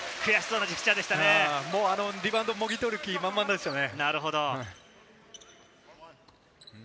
あのリバウンドをもぎ取る気、満々でしたね。